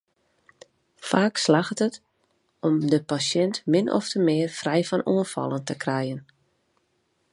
Faak slagget it om de pasjint min ofte mear frij fan oanfallen te krijen.